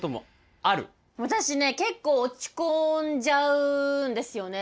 私ね結構落ち込んじゃうんですよね。